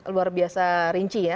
luar biasa rinci ya